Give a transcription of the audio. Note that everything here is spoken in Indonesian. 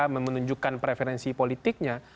menunjukkan preferensi politiknya